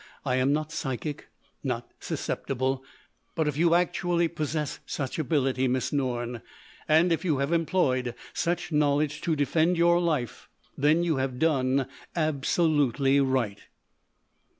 I am not psychic, not susceptible. But if you actually possess such ability, Miss Norne, and if you have employed such knowledge to defend your life, then you have done absolutely right."